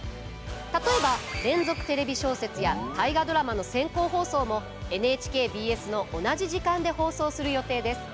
例えば「連続テレビ小説」や「大河ドラマ」の先行放送もＮＨＫＢＳの同じ時間で放送する予定です。